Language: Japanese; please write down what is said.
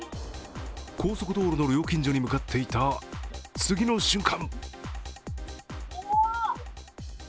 高速道路の料金所に向かっていた次の瞬間